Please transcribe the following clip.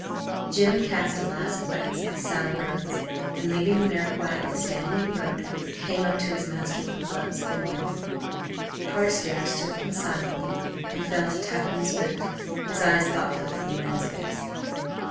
Jim cast a last glance at the saddle girths, and, leaving the mare quietly standing in the road, came up to his master with gloves and whip. Carstares took them silently and fell to tapping his boot, his eyes thoughtfully on the man's face.